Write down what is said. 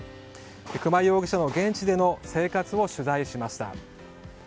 熊井容疑者の現地での生活を取材しました。